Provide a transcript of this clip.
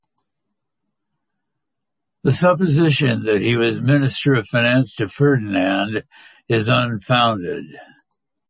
The supposition that he was minister of finance to Ferdinand is unfounded.